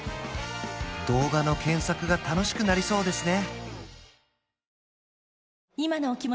動画の検索が楽しくなりそうですね